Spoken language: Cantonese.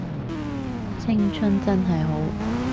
青春真係好